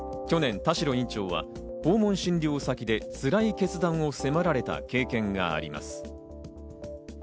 去年、田代院長は訪問診療先で辛い決断を迫られた経験があります。